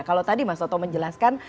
kalau tadi mas toto menjelaskan